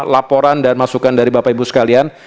laporan dan masukan dari bapak ibu sekalian